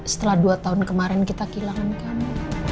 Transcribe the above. setelah dua tahun kemarin kita kehilangan kamu